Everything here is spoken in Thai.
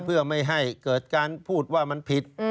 เพื่อไม่ให้เกิดการพูดว่ามันผิด